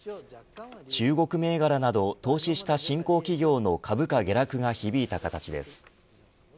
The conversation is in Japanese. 中国銘柄など投資した新興企業の株価下落が響いた形です。